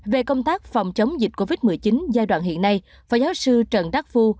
về công tác phòng chống dịch covid một mươi chín giai đoạn hiện nay phó giáo sư trần đắc phu